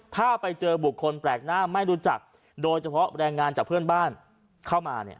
ถ้าไปเจอบุคคลแปลกหน้าไม่รู้จักโดยเฉพาะแรงงานจากเพื่อนบ้านเข้ามาเนี่ย